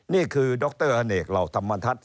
นี่คือด๊อกเตอร์อเนกเหล่าธรรมธัศน์